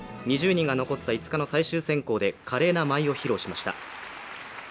２０人が残った５日の最終選考で華麗な舞を披露しました。